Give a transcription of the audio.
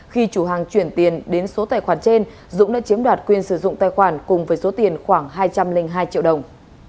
khi chủ hàng chuyển tiền đến số tài khoản trên dũng đã chiếm đoạt quyền sử dụng tài khoản cùng với số tiền khoảng hai trăm linh hai triệu đồng